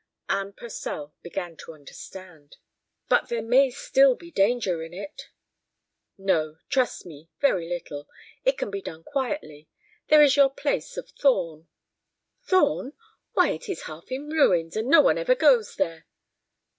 Anne Purcell began to understand. "But there may still be danger in it." "No; trust me; very little. It can be done quietly. There is your place of Thorn." "Thorn! Why, it is half in ruins, and no one ever goes there."